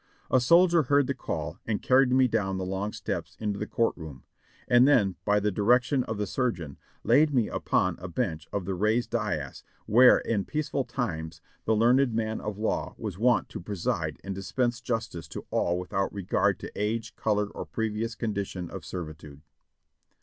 A soldier heard the call and carried me down the long steps into the court room, and then, by the di rection of the surgeon, laid me upon a bench on the raised dais where in peaceful times the learned man of law was wont to pre side and dispense justice to all without regard to age, color or previous condition of servitude.